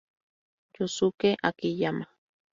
Yosuke Akiyama